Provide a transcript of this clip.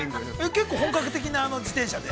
◆結構、本格的な自転車で？